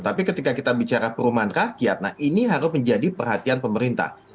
tapi ketika kita bicara perumahan rakyat nah ini harus menjadi perhatian pemerintah